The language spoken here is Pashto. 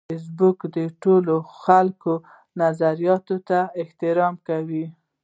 فېسبوک د ټولو خلکو د نظریاتو احترام کوي